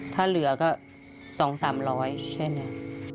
ถ้าเหลือก็๒๓๐๐แค่นั้น